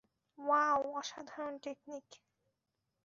Wow অসাধারণ technique.